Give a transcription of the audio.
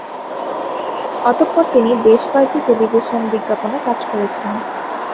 অতঃপর তিনি বেশ কয়েকটি টেলিভিশন বিজ্ঞাপনে কাজ করেছেন।